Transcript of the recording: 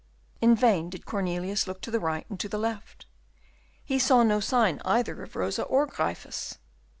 In vain did Cornelius look to the right and to the left; he saw no sign either of Rosa or Gryphus.